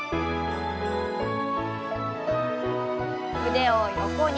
腕を横に。